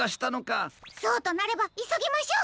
そうとなればいそぎましょう！